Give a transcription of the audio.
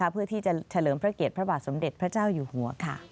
เพื่อที่จะเฉลิมพระเกียรติพระบาทสมเด็จพระเจ้าอยู่หัว